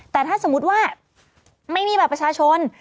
แต่ถ้าสมมุติว่าไม่มีบัตรประชาชน